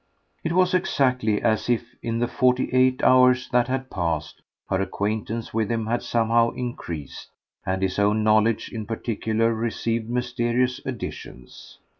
It was exactly as if, in the forty eight hours that had passed, her acquaintance with him had somehow increased and his own knowledge in particular received mysterious additions.